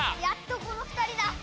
やっとこの２人だ。